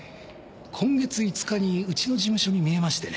今月５日にうちの事務所に見えましてね。